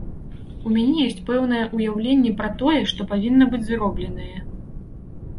У мяне ёсць пэўнае ўяўленне пра тое, што павінна быць зробленае.